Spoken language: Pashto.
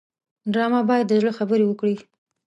ډرامه باید د زړه خبرې وکړي